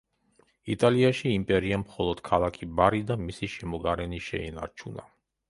იტალიაში იმპერიამ მხოლოდ ქალაქი ბარი და მისი შემოგარენი შეინარჩუნა.